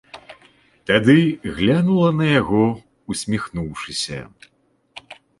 Тады глянула на яго, усміхнуўшыся.